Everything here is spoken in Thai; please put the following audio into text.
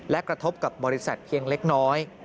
และกระทบกับบริษัทเพียงเล็กน้อย